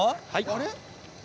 あれ？